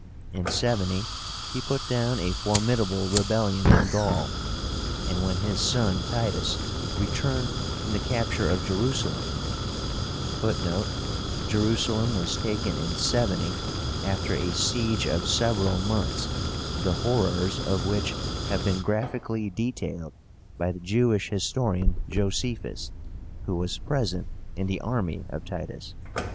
In 70 he put down a formidable rebellion in Gaul; and when his son Titus returned from the capture of Jerusalem, (Footnote: Jerusalem was taken in 70, after a siege of several months, the horrors of which have been graphically detailed by the Jewish historian Joséphus, who was present in the army of Titus.